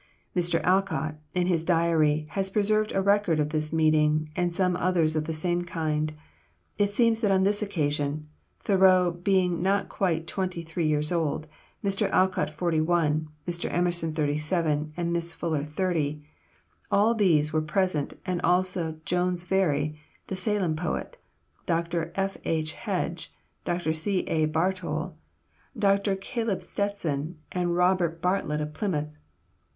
Mr. Alcott, in his diary, has preserved a record of this meeting, and some others of the same kind. It seems that on this occasion Thoreau being not quite twenty three years old, Mr. Alcott forty one, Mr. Emerson thirty seven, and Miss Fuller thirty all these were present, and also Jones Very, the Salem poet, Dr. F. H. Hedge, Dr. C. A. Bartol, Dr. Caleb Stetson, and Robert Bartlett of Plymouth.